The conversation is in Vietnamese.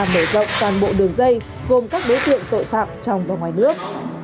mở rộng toàn bộ đường dây gồm các đối tượng tội phạm trong và ngoài nước